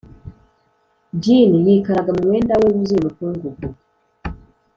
djinn yikaraga mu mwenda we wuzuye umukungugu,